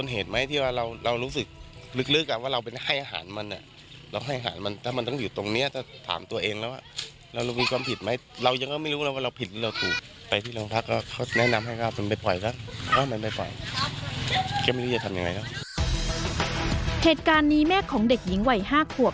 เหตุการณ์นี้แม่ของเด็กหญิงวัย๕ขวบ